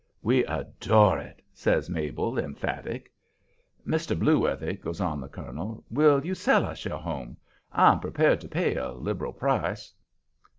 "We adore it," says Mabel, emphatic. "Mr. Blueworthy," goes on the colonel, "will you sell us your home? I am prepared to pay a liberal price."